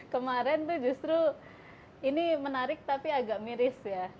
kemarin tuh justru ini menarik tapi agak miris ya